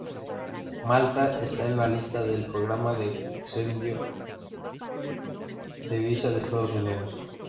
Malta está en la lista del Programa de exención de visa de Estados Unidos.